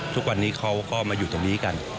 ทุกวันนี้เขาก็มาอยู่ตรงนี้กัน